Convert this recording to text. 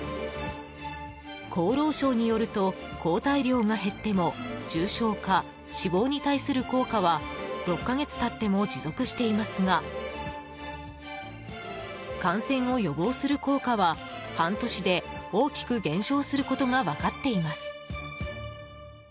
厚労省によると抗体量が減っても重症化・死亡に対する効果は６か月経っても持続していますが感染を予防する効果は半年で大きく減少することが分かっています。